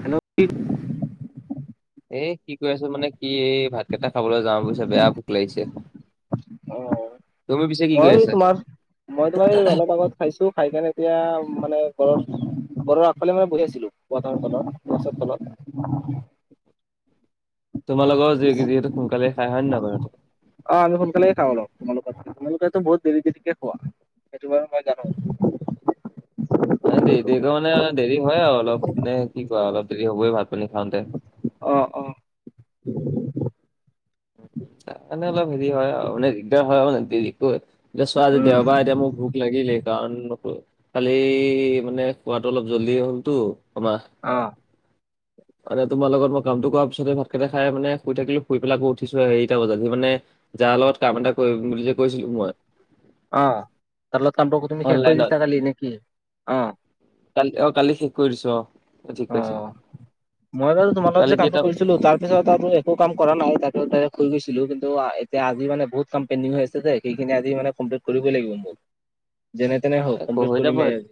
Hello, কি এ কি কৰি আছো মানে কি, এই ভাত কেইটা খাবলৈ যাওঁ বুজিছা বেয়া ভোক লাগিছে। অ', তুমি পিছে কি কৰি মই আছা তোমাৰ, মই তোমাৰ এই অলপ আগত খাইছো। খাই কেনে এতিয়া মানে ঘৰৰ, ঘৰৰ আগফালে মানে বহি আছিলো [unintelligible] ফলত গছৰ তলত। [unintelligible] তোমালোকৰ যে যিহেতু সোনকালে খাই হয় নে নহয় বাৰু অ', আমি সোনকালে খাওঁ অলপ। তোমালোক, তোমোকেতো বহুত দেৰি দেৰিকে খোৱা সেইটো বাৰু মই জানো। আ দেৰি দেৰিকে মানে আলপ দেৰি হয় আৰু অলপ, নে কি কোৱা অলপ দেৰি হ'বই ভাত-পানী খাওঁতে। অ', অ'। তাৰ কাৰণে অলপ হেৰি হয় আও, মানে দিগদাৰ আও দেৰিকৈ, এতিয়া চোৱা যে উম, দেওবাৰ এতিয়া মোৰ ভোক লাগিলেই কাৰণ, কালি মানে খোৱাতটো অলপ জলদিয়ে হ'লতো আমাৰ। অ'। আৰে তোমাৰ লগত মই কামটো কৰাৰ পিছতে ভাতকেইটা খাই মানে শুই থাকিলো, শুই পেলে আকৌ উঠি পিছে হেৰিটা বজাত, সে মানে যাৰ লগত কাম এটা কৰিম বুলি যে কৈছিলো মই অ', তাৰ লগত কামটো তুমি শেষ অনলাইনত কৰি দিছা কালি নেকি? অ'। কালি, অ', কালি শেষ কৰি দিছো অ'। ঠিক কৈছা অ', মই বাৰু তোমাৰ লগত কালি যে কেইটা কামটো কৰিছিলো তাৰ পিছত তাত মই একো কাম কৰা নহল, তাতো তাত শুই গৈছিলো কিন্তু এতিয়া আজি মানে বহুত কাম পেইণ্ডিং হৈ আছে দেই সেইখিনি আজি মানে কমপ্লিট কৰিবই লাগিব মোৰ। যেনে তেনে হ একো হৈ যাব আজি,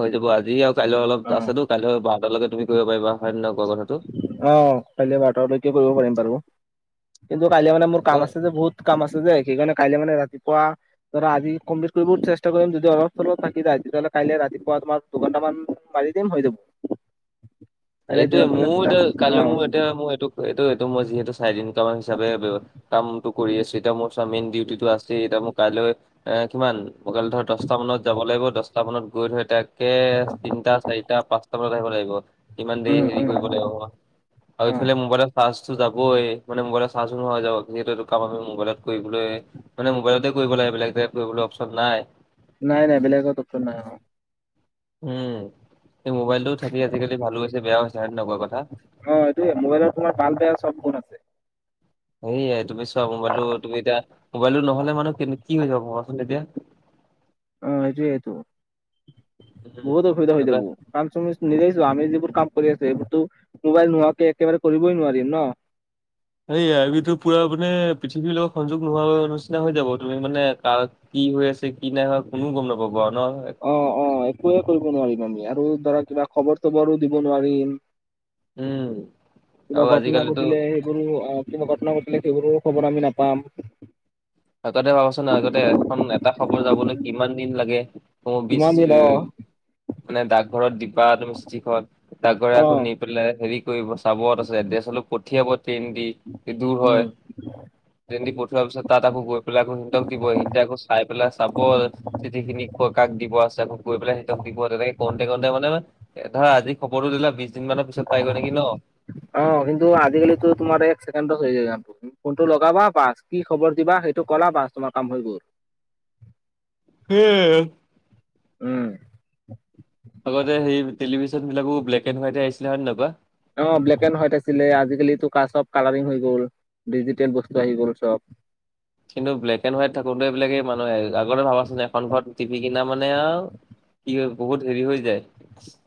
হৈ যাব আজি কাইলৈ অলপ আছেতো, কাইলৈ বাৰটালৈকে তুমি কৰিব পাৰিবা হয় নে নহয়, কোৱা কথাটো? অ', কাইলৈ বাৰতালৈকে কৰিব পাৰিম বাৰু কিন্তু কাইলৈ মানে মোৰ অ, কাম আছে যে বহুত। কাম আছে যে সেইকাৰণে কাইলে মানে ৰাতিপুৱা ধৰা আজি কমপ্লিট কৰিব চেষ্টা কৰিম, যদি অলপ-চলপ থাকি যায় তেতিয়াহলে কাইলে ৰাতিপুৱা তোমাক দুঘণ্টামান মাৰি দিম হৈ যাব। কাইলে এইটোয়ে দিনত মানে মোৰ এতিয়া, অ কাইলৈ মোৰ এতিয়া মোৰ এইটো এইটো এইটো মই যিহেতু চাৰি দিন হিচাপে বেৱ কামটো কৰি আছো, এতিয়া মোৰ চোৱা মেইন ডিউটিটো আছে এতিয়া মোৰ কাইলৈ, এ কিমান মই কালি ধৰ দছটা মানত যাব লাগিব, দছটা মানত গৈ থৰি তাইক তে তিনটা, চাৰিটা, পাঁচটা বজাত আহিব লাগিব, কিমান উম দেৰি হেৰি উম কৰিব লাগিব মই। অ আৰু ইফালে মোবাইলৰ চাৰ্জটো যাবই, মানে মোবাইলৰ চাৰ্জো নহয় যাব, যিহেতো এইটো কাম আমি মোবাইলত কৰিবলৈ মানে মোবাইলতে কৰিব লাগে, বেলেগ টাইপ কৰিবলে অপশচন নাই। নাই নাই বেলেগত অপচন নাই, অ'। উম, এই মোবাইলটোও থাকি আজিকালি ভালো হৈছে বেয়া হৈছে হয় নে নহয় কোৱা কথা? অ', এইটোৱেই মোবাইলৰ তোমাৰ ভাল-বেয়া চব গুণ আছে। সেয়াই তুমি চোৱা মোবাইলটো তুমি এতিয়া মোবাইলটো নহলে মানে কি হৈ যাব ভাবাচোন এতিয়া। অহ, সেইটোৱেটো উম, বহুত অসুবিধা হৈ তেনেকুৱা যাব। কাম চুমিচ নিজেই চোৱা আমি যিবোৰ কাম কৰি আছো সেইবোৰতো মোবাইল নোহোৱাকে একেবাৰে কৰিবই নোৱাৰিম ন? এই [unintelligible] পুৰা মানে পৃথিৱীৰ লগত সংযোগ নোহোৱা অনিচিনা হৈ যাব তুমি মানে তাক কি হৈ আছে কি নাই হোৱা কোনো গম নাপাব আৰু ন? একোয়ে কৰিব নোৱাৰিম আমি আৰু ধৰা কিবা খবৰ-চবৰো দিব নোৱাৰিম। উম, কিবা আৰু ঘটনা আজিকালিতো ঘটিলে এ সেইবোৰ অ', কিবা ঘটনা ঘটিলে সেইবোৰো খবৰ আমি নাপাম। আগতে ভাবচোন আগতে এখন এটা খবৰ যাবলৈ কিমান দিন লাগে। বিচ কিমান দিন উ, অ মানে ডাকঘৰত দিবা তুমি চিঠিখন ডাকঘৰে অ আকৌ নি [unintelligible] হেৰি কৰিব চাব তাছত এড্ৰেছলৈ পঠিয়াব ট্ৰেইন এ দূৰ উম হয়। ট্ৰেইন দি পঠোৱাৰ পিছত তাত আকৌ গৈ পেলাই আকৌ হিন্তক দিব হীন্তে আকৌ চাই পেলাই চাব চিঠি খিনি ক -কাক দিব আছে কৈ পেলাই সিহঁতক দিব তেনেকে কওঁতে -কওঁতে মানে এ ধৰা আজি খবৰটো দিলা বিছ দিন মানৰ পিছত পাই গৈ নেকি ন'? অ, কিন্তু আজিকালিটো তোমাৰ এক ছেকেণ্ডত হৈ যায় কামটো। উম, ফোনটো লগাবা বাচ কি খবৰ দিবা সেইটো ক'লা বাচ তোমাৰ কাম হৈ গ'ল। [inaudible] সেইয়ে। উম, আগতে সেই টেলিভিচন বিলাকো ব্লেক এনড হোৱাইটে আছিলে হয় নে নাই কোৱা? অ, ব্লেক এণ্ড হোৱাইট আছিলে আজিকালিটো কা চব কালাৰিং হৈ গ'ল ডিজিটেল বস্তু আহি গ'ল চব। কিন্তু ব্লেক এণ্ড হোৱাইট থাকোতে এইবিলাকে মানুহে আগতে ভাবাচোন এখন ঘৰত টিভি কিনা মানে আও কি হয় বহুত হেৰি হৈ যায়।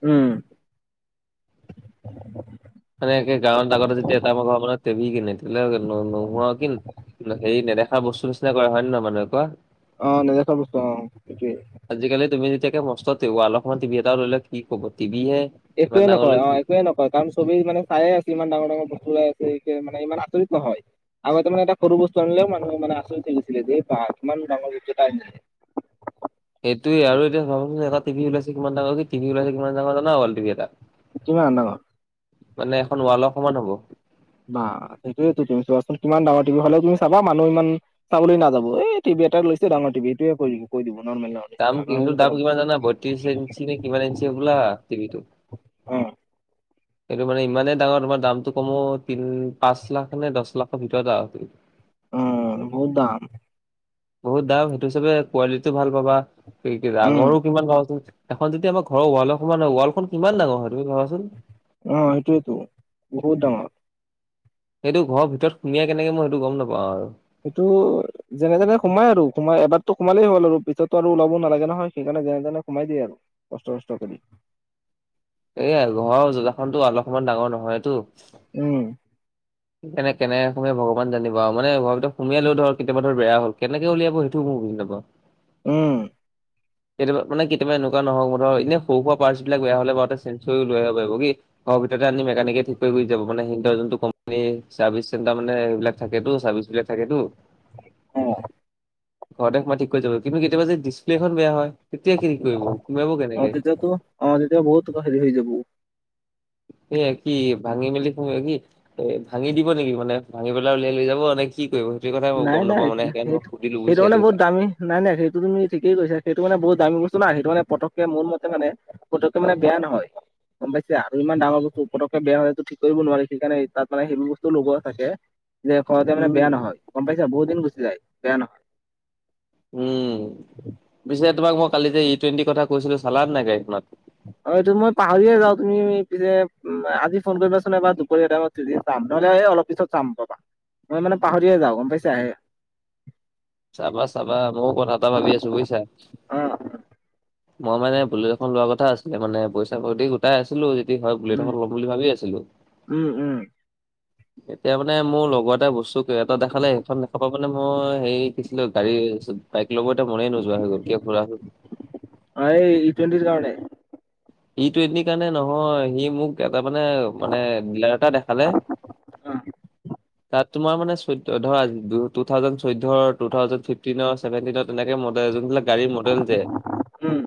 উম। মানে একে গাঁৱত আগতে যেতিয়া এটা আমাৰ ঘৰৰ কাৰনে টিভি কিনে [unintelligible] নোহোৱা কিন এইবিলাক হেৰি নেদেখা বস্তু নিচিনা কৰা হয় নে নহয় মানুহে কোৱা? অ, নেদেখা বস্তু অ, সেইটোৱে। আজিকালি তুমি যেতিয়াকে মষ্ট তে ৱাল সমান টি বি এটা ললে কি ক'ব? টিবিহে। একোৱে নকয় অ, একোৱে নকয়। কাৰণ চবেই মানে চাই আছে ইমান ডাঙৰ - ডাঙৰ বস্তু ওলাই আছে এতিয়া মানে ইমান আচৰিত নহয়। আগতে মানে এটা সৰু বস্তু আনিলে মানুহে মানে আচৰিত হৈ গৈছিলে যে বা কিমান ডাঙৰ বস্তু এটা আনিলে। সেইটোয়ে আৰু এতিয়া ভাবাচোন এটা টিভি ওলাইছে কিমান ডাঙৰ কি টিভি ওলাইছে কিমান [unintelligible] ৱাল টিভি এটা। কিমান ডাঙৰ? মানে এখন ৱালৰ সমান হ'ব। বা সেইটোয়েতো তুমি চোৱাচোন কিমান ডাঙৰ টিবি হ'লেও তুমি চাবা মানুহ ইমান চাবলৈ নাযাব এই টিবি এটা লৈছে ডাঙৰ টিবি এইটোৱে কৰিব। কৈ দিব নৰ্মেল দাম কি সেইটো দাম কিমান জানা বত্ৰিশ ইঞ্চি নে কিমান ইঞ্চি হ'বলা টিভিটো [unintelligible] অ', সেইটো মানে ইমানেই ডাঙৰ তোমাৰ দামটো কমো তিন - পাঁচ লাখ নে দছ লাখৰ ভিতৰত আৰু উম, বহুত দাম। বহুত দাম সেইটো হিচাবে কোৱালিটিও ভাল পাবা উম [unintelligible] এখন যদি আমাৰ ঘৰৰ ৱালৰ সমান হয় ৱালখন কিমান ডাঙৰ হয় তুমি ভাবাচোন? অ, সেইটোয়েতো বহুত ডাঙৰ। সেইটো ঘৰৰ ভিতৰত সুমিয়াই কেনেক মই সেইটো গম নাপাওঁ আৰু। সেইটো যেনে তেনে সোমাই আৰু সোমাই এবাৰতো সোমালেই হল আৰু পিছততো আৰু ওলাবও নালাগে নহয় সেইকাৰণে যেনে তেনে সোমাই দিয়ে আৰু। কষ্ট -কষ্ট কৰি। এইয়া ঘৰৰ যুজাখনটো [unintelligible] সমান ডাঙৰ নহয়টো। উম। এনে কেনেকে সোমে ভগৱান জানিব আৰু মানে ঘৰৰ ভিতৰত সোমিয়ালেও ধৰ কেতিয়াবা ধৰ বেয়া হ'ল কেনেকে উলিয়াব সেই টো মো বুজি নাই পোৱা। উম। কেতিয়া মানে কেতিয়াবা এনেকুৱা নহওঁক ধৰা এনে সৰু শুৱা পাৰ্চ বিলাক বেয়া হ'লে চেঞ্চ লৈ আহিব পাৰিব কি। ঘৰ ভিতৰতে আনি মেকানিকে ঠিক কৰি গুচি যাব মানে হেইং ত যোনটো। [unintelligible] চাৰ্ভিচ চেণ্টাৰ মানে এইবিলাক থাকেতো চাৰ্ভিচবিলাক থাকেতো অহ', ঘৰতে সোমাই ঠিক কৰি যাব কিন্তু কেতিয়াবা যে ডিছপ্লে এখন বেয়া হয় তেতিয়া কি কৰিব ওলাব অ কেনেকে? তেতিয়াতো অ, তেতিয়া বহুত তোমাৰ হেৰি হৈ যাব। এ কি ভাঙি মেলি সোমাই কি এ ভাঙি দিব নেকি মানে ভাঙি পেলাই উলিয়াই লৈ যাব নে কি কৰিব সেইটো কথা মই নাই গম নাই নাপাওঁ মানে সেইকাৰণে মই সেইটো সুধিলো সেইটো বুজিছা এইটো মানে বহুত কথা। দামী নাই নাই সেইটো তুমি ঠিকেই কৈছা, সেইটো মানে বহুত দামী বস্তু না সেইটো মানে পতককে মোৰ মতে মানে পটককে মানে বেয়া নহয়। গম পাইছে আৰু ইমান ডাঙৰ বস্তু পটককে বেয়া হলে ঠিক কৰিব নোৱাৰি, সেইকাৰণে তাত মান সেইবোৰ বস্তু লগোৱা থাকে। যে ক তে মানে উম বেয়া নহয় গম পাইছা বহুত দিন যায়, বেয়া নহয়। উম পিছে তোমাক মই কালি যে ই টুৱেণ্টিৰ কথা কৈছিলো চালা নাই গাড়ীখনত? অ এইটো মই পাহৰিয়ে যাও তুমি পিছে। উম আজি ফোন কৰিবাচোন এবাৰ দুপৰ এটাইত যাম নহ'লে অলপ পিছত চাম ৰবা। মই মানে পাহৰিয়ে যাওঁ গম পাইছাঁ হে। চাবা চাবা মইও কথা এটা ভাবি আছো বুজিছাঁ। অ', মই মানে বুলেট এখন লোৱাৰ কথা আছিলে মানে পইচা পাতি গোটাই আছিলোঁ। হয় বুলেট উম, এখন ল'ম বুলি ভাবি আছিলোঁ। উম, উম। এতিয়া মানে মোৰ লগৰ এটাই বস্তু এটা দেখালে সেইখন দেখা পাই মানে মই সেই পিছলৈ গাড়ী বাইক ল'ব এ মনেই নোযোৱা হৈ গ'ল কিয় খুৰা চোন। হয় ই টোৱেণ্টি কাৰণে। ই টোৱেন্টি কাৰণে নহয় সি মোক এটা মানে মানে ডিলাৰতে দেখালে অ', তাত তোমাৰ মানে চৈধ্য ধৰা টু থাউজেন চৈধ্য, টু থাউজেন ফিফ- ফিপটিনৰ চেভেনটিনৰ তেনেকে মডেল যোনবিলাক গাড়ীৰ মডেল যে। উম,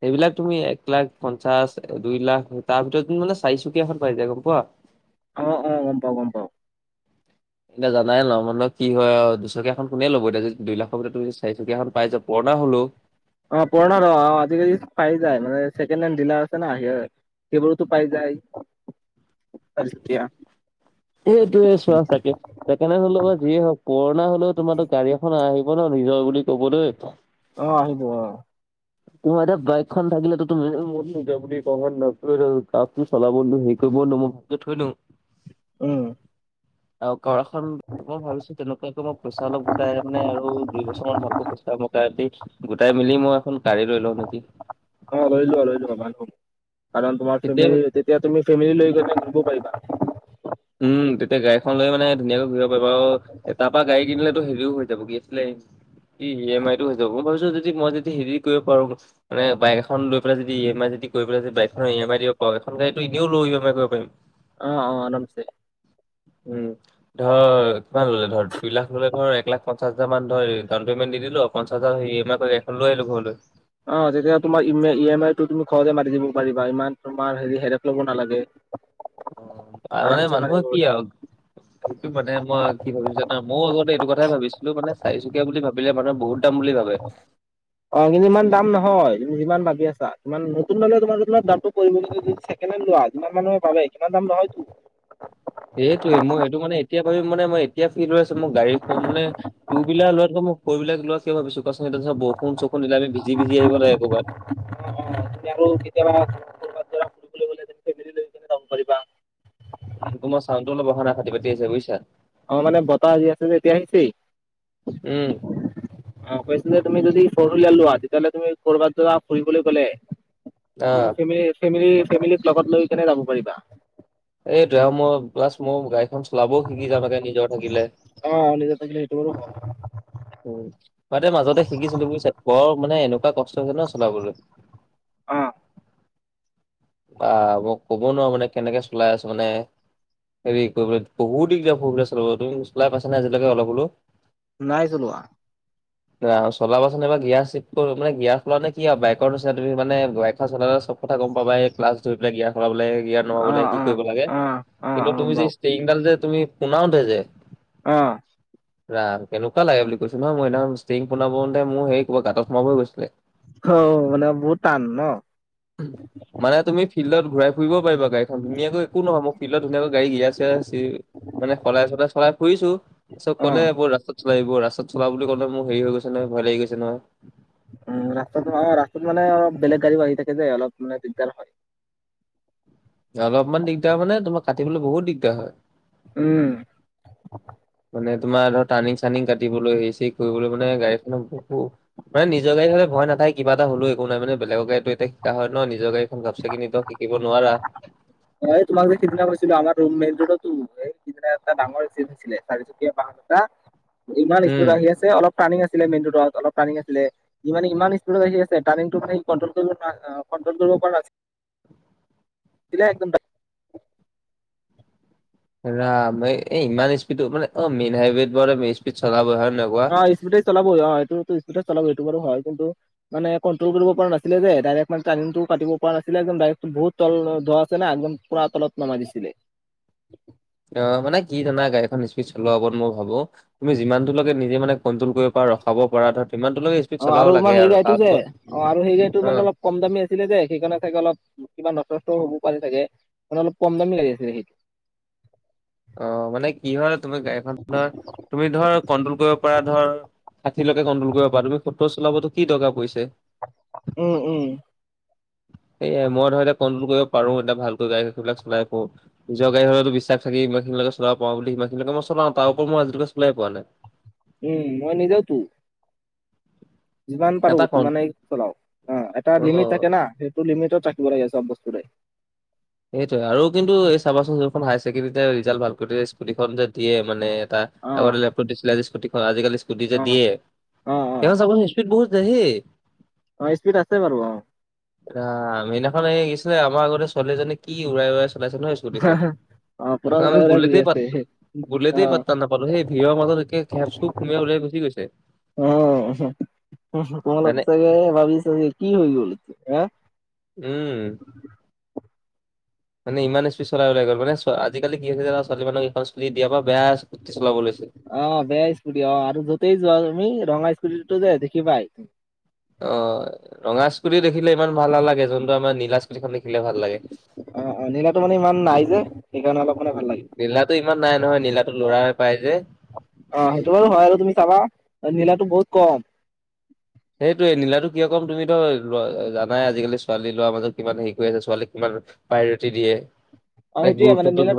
সেইবিলাক তুমি এক এক লাখ পঞ্চাচ দুই লাখ তাৰ ভিতৰত মানে চাৰিচুকীয়াখন পাই যায় গম পোৱা। অ অ গম পাওঁ গম পাওঁ। এতিয়া জানাই ন মান কি হয় আ দুচকীয়াখন কোনে ল'ব এতিয়া দুই লাখৰ পৰা তু চাৰিচকীয়া এখন পাই যাব- পুৰণা হ'লো। অ পুৰণা অ আজিকালি পাই যায় মানে ছেকেণ্ড হেণ্ড দিলাৰ আছে ন আহিয়ে যায়। সেইবোৰতো পাই যায়। চাৰিচকীয়া এইটোয়ে চোৱা চাগে ছেকেণ্ড হেণ্ড হ'লেও যিয়ে হওঁক। পুৰণা হ'লেও তোমাৰ গাড়ী এখন আহিব ন নিজৰ বুলি কবলৈ। অ আহিব অ। তোমাৰ এতিয়া বাইকখন থাকিলেতো তুমি মোৰ নিজৰ বুলি ক'ব ন খাকটো চলাব নো হেৰি কৰিব নো মই। য'ত থৈদো। উম। আও ঘৰখন মই ভাবিছোঁ তেনেুৱাকে মই পইচা অলপ গোটাই মানে আৰু দুই বছৰ মান ভালকৈ পইচা গোটাই দি গোটাই মেলি মই এখন গাড়ী লৈ লওঁ নেকি? অ লৈ লোৱা লৈ লোৱা ভাল হ'ব। কাৰণ তোমাৰ তেতিয়াই ফেমিলি তেত- এতিয়া তুমি ফেমিলি লৈ গলে ঘুৰিব পাৰিবা। উম তেত- তেতিয়া গাড়ীখন লৈ মানে ধুনীয়াকৈ ঘূৰিব পাৰিবা আৰু তাৰপৰা গাড়ী কিনিলেতো হেৰিও হৈ যাব কি আছিলে ই ই এম আই টো হৈ যাব মই ভাবিছো যদি মই যদি হেৰি কৰিব পাৰো মানে বাইক এখন লৈ পেলাই যদি ই এম আই যদি কৰিব আছে যদি বাইকখনৰ ই এম আই দিব পা এখন গাড়ীটো এনেও লৈও ই এম আই কৰিব পাৰিম। অ অ আৰামছে। উম, ধৰ কিমান ল'লে, ধৰ দুই লাখ ল'লে ধৰ এক লাখ পঞ্চাশ হাজাৰ মান ধৰ ডাউণ্ট পেমেণ্ট দিদিলোঁ পঞ্চাশ হাজাৰ ই এম আই কৰি এখন লৈ আহিলো ঘৰলৈ। অ তেতিয়া তোমাৰ ইমে ই এম আইটো তুমি ঘৰলে মাতি দিব পাৰিবা। ইমান তোমাৰ হেৰি হেৰেপ ল'ব নালাগে। অ তাৰ মানে আৰামছে মাৰি মানুহৰ দিব কি পাৰিবা আও সেইটো মানে মই কি ভাবিছোঁ যাত- ন মইয়ো আগতে এইটো কথাই ভাবিছিলোঁ মানে চাৰিচকীয়া বুলি ভাবিলে মানুহে বহুত দাম বুলি ভাবে। অ কিন্তু ইমান দাম নহয় তুমি যিমান ভাবি আছা সিমান নতুন ল'লেও অলপ তোমাৰ দামটো পৰিব‌ বুলি চেক কিমান লোৱা যিমান মানুহে ভাবে সিমান দাম নহয়তো। এইটোৱে মই এইটো মানে এতিয়া ভাবি মানে মই এতিয়া ফীদ লৈ আছো মানে মোক গাড়ী ত মানে টু হুইলাৰ লোৱাতকৈ মই ফৰ হুইলাৰ লোৱা। কি ভাবিছো কোৱাচোন ধৰ বৰষুণ চৰষুণ দিলে আমি ভীজি ভীজি আহিব লাগে কবাত। অ অ তুমি আকৌ কেতিয়াবা লগ কৰিবা। তোমাৰ চাউণ্টো অলপ অহা নাই ফাতি ফাতি আহিছে বুইছা? অ মানে বতাহ আহি আছে যে এতিয়া আহিছেই? উম, অ কৈছিলে যে তুমি যদি ফৰ হুইলাৰ লোৱা তেতিয়াহ'লে তুমি ক'ৰবাত ধৰা ফুৰিবলৈ গ'লে। হ'য়টো অ' ফেমে ফেমেলি ফেমেলি লগত লৈকেনে যাব পাৰিবা। এইটোৱে আৰু মই প্লাছ মও গাড়ীখন চলাবও শিকি যাম একে নিজৰ থাকিলে। অ নিজৰ থাকিলে সেইটো বাৰু হয়। উম শুৱাতে মাজতে শিকিছিলোঁ বুইছা বৰ মানে এনেকুৱা কষ্ট হৈছে ন' চলাবলৈ। অহ। বা ভক, ক'ব নোৱাৰো মানে কেনেকে চলাই আছোঁ মানে। হেৰি কৰিবলে বহুত দিগদাৰ অসুবিধা চলাবলে তুমি চলাই পাইছা নে আজিলেকে অলপ হ'লো? নাই চলোৱা। আ চলাবাচোন এইবাৰ গিয়াৰ চিৰ্টটো মানে গিয়াৰ খুলা নে কি আও বাইকৰ নিচিনা তুমি মানে বাইক চলালে চব কথা গম পাবাই, ক্লাছ ধৰিপেলাই গিয়াৰ সলাবলে, গিয়াৰ অ', নমাবলে কি অ', কৰিব লাগে অ', অ', কিন্তু অ', তুমি যে বাৰু ষ্টেৰিংডাল যে তুমি পোনাওতে যে অ ৰাম কেনেকুৱা লাগে বুলি কৈছো নহয় মই সিদিনাখন ষ্টিং পোনাব লওঁতে মোৰ সেই কবাত গাঁতত সোমাবই গৈছিলে। হ মানে বহুত টান ন'? [unintelligible] মানে তুমি ফিল্ডত ঘূৰাই ফুৰিব পাৰিবা গাড়ীখন ধুনীয়াকৈ একো নহয় মো ফিল্ডত ধুনীয়াকৈ গাড়ী গিয়া- চিয়া চি মানে সলাই-চলাই চলাই ফুৰিছোঁ। তাৰপিছত ক'লে অ', ব'ল ৰাস্তাত চলাবি ব'ল। ৰাস্তত চলা বুলি কওতে মোৰ হেৰি হৈ গৈছে নহয়, ভয় লাগি গৈছে নহয়। উম ৰাস্তাত অঁ ৰাস্তাত মানে অলপ বেলেগ গাড়ীও আহি থাকে যে অলপ মানে দিগদাৰ হ'য়। অলপমান দিগদাৰ মানে তোমাক কাটিবলে বহুত দিগদাৰ হ'য়। উম মানে তোমাৰ ধৰ টাৰ্ণিং- চাৰ্ণিং কাটিবলৈ, হেৰি-চেৰি কৰিবলৈ মানে গাড়ীখনত বহু মানে নিজৰ গাড়ী হ'লে ভয় নাথাকে কিবা এটা হ'লো একো নাই মানে, বেলেগৰ গাড়ীটো এতিয়া শিকা হ'য় ন নিজৰ গাড়ী খন গপচাকিনিটো শিকিব নোৱাৰা। এই তোমাক যে সিদিনা কৈছিলো আমাৰ ৰোম মেটতোটো এই সিদিনা এটা ডাঙৰ এক্সিডেণ্ট আছিলে চাৰিচুকীয়া বাহন তা ইমান উম। স্পীডত আহি আছে অলপ টাৰ্নিং আছিলে মেইনৰোডত, অলপ টাৰ্নিং আছিলে। ই মানে ইমান স্পীডত আহি আছে টাৰ্নিংটো মানে সি কণ্ট্ৰল কৰিব নোৱা আ কণ্ট্ৰল কৰিব পৰা নাছি ছিলে একদম ডা ৰাম এ এই ইমান স্পীডটো মানে, অঁ মেইন হাইৱেত বৰ এটা স্পীডত চলাবই হয়, নহয় কোৱা? স্পীডেই চালাবই। অ এইতোটো স্পিডট চালাবই এইটো বাৰু হয়। কিন্তু মানে কণ্ট্ৰল কৰিব পৰা নাছিলে যে ডাৰেক্ট মানে টাৰ্নিংটো কাটিব পৰা নাছিলে যেন ডাৰেক্ট বহুত তল ধোৱা আছে না একদম পুৰা তলত নমাই দিছিলে। অ মানে কি জানা, গাড়ীখন স্পীড চলোৱা ওপৰত মই ভাৱো, তুমি যিমান দূৰলৈকে নিজে মানে কণ্ট্ৰল কৰিব পৰা ৰখাব পৰা ধৰ সিমানটো লৈকে অ আৰু তোমাৰ সেই গাড়ীটো যে অ আৰু সেই গাড়ীটো অ মানে অলপ কম দামী আছিলে যে সেইকাৰণে চাগে অলপ কিবা নষ্ট নষ্টও হব পাৰে চাগে মানে অলপ কম দামী লাগি আছিলে সেইটো। অ মানে কি হয় তুমি গাড়ীখনৰ তুমি, ধৰ কণ্ট্ৰল কৰিব পাৰ ধৰ ষাঠিলৈকে কণ্ট্ৰল কৰিব পাৰা তুমি সত্তৰ চলাবতো কি দৰকাৰ পৰিছে। উম, উম। এয়াই মই ধৰিলে কণ্ট্ৰল কৰিব পাৰো এতিয়া ভালকৈ গাড়ীবিলাক চলাই ফুৰো। নিজৰ গাড়ী হলেটো বিশ্বাস বাকি ইমান খিনিলেকে চলাব পাওঁ বুলি সমানখিনিলে মই চলাওঁ তাৰওপৰ মই আজিলৈকে চলাই পোৱা নাই। উম, মই নিজেওটো। যিমান পাৰো এটা কন সিমানেই চলাও অ এটা লিমিট থাকে না সেইটো লিমিটত ৰাখিব লাগে চব বস্তুৰে। সেইটোৱে আৰু কিন্তু এ চাবাচোন এইখন হায়াৰ ছেকেণ্ডেৰীটে ৰিজাল্ট ভাল কৰোটে স্কুটিখন যে দিয়ে মানে এটা অ আগতে লেপটপ দিছিলে। আজি আজি-কালি স্কুটিযে অ দিয়ে, অ অ [unintelligible] স্পৃড বহুত যায় ৰে। অ স্পীড আছে বাৰু অহ, আহ সেইনাখন এই আহিছিলে আমাৰ আগতে ছোৱালীজনী কি উৰাই উৰাই চলাইছে নহয় স্কুটিখন, অ পুৰা আমি উৰাই উৰাই ঘূৰি বুলেতেই আছে পাতা অ বুলেতেই পাতা নাপালো সেই ভিৰৰ মাজত একে, কেপ খু খুমাই ওলাই গুচি গৈছে। উ তোমালোক মানে চাগে ভাবিছা কি হৈ গল। হা উম মানে ইমান স্পীড চলাই ওলাই গ'ল মানে চ আজিকালি কি হৈছে ছোৱালী মানুহক এইখন স্কুটি দিয়াৰ পৰা বেয়া, [unintelligible] চলাব লৈছে। অ বেয়া স্কুটি অ আৰু য'তেই যোৱা তুমি ৰঙা স্কুটিটো যে দেখিবাই। অ ৰঙা স্কুটি দেখিলে ইমান ভাল নালাগে যোনটো আমাৰ নীলা স্কুটিখন দেখিলে ভাল লাগে। অ', অ', নীলাটো মানে ইমান নাই যে সেইকাৰণে অলপ মানে ভাল লাগে নীলাটো ইমান নাই নহয় নীলাটো লৰাই পাই যে। অ সেইটো বাৰু হয় আৰু তুমি চাবা নীলাটো বহুত কম। সেইটোয়ে নীলাটো কিয় কম তুমি ধৰ ল জানাই আজিকালি ছোৱালী লৰা মাজত কিমান হেৰি কৰি আছে ছোৱালীক কিমান, পাইৰেতি দিয়ে। অহ এক সেইটোৱে মানে নি গুৰুত্বটো